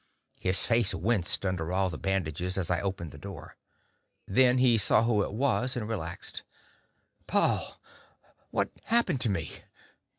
His face winced, under all the bandages, as I opened the door. Then he saw who it was, and relaxed. "Paul what happened to me?